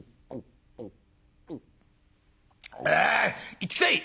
「行ってきたい！」。